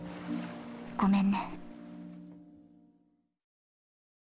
ごめんね。